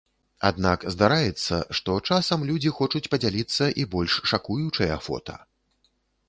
Аднак здараецца, што часам людзі хочуць падзяліцца і больш шакуючыя фота.